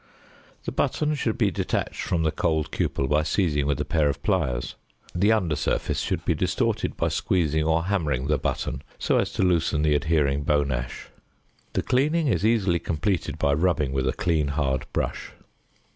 The button should be detached from the cold cupel by seizing with a pair of pliers: the under surface should be distorted by squeezing or hammering the button so as to loosen the adhering bone ash. The cleaning is easily completed by rubbing with a clean hard brush.